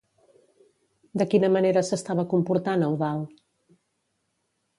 De quina manera s'estava comportant Eudald?